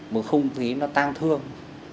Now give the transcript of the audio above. một khung khí nó tan thương